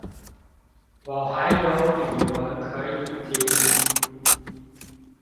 我還有李玟可以聽